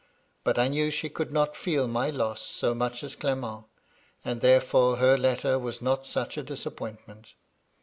But I knew she could not feel my loss so much as Clement, and therefore her letter was not such a disappointmeut.